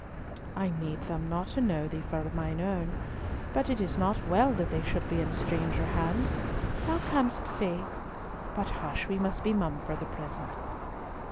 "I need them not to know thee for mine own, but it is not well that they should be in stranger hands. Thou canst say—But hush, we must be mum for the present."